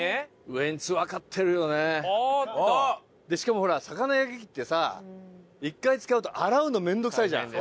しかもほら魚焼き器ってさ一回使うと洗うの面倒くさいじゃん。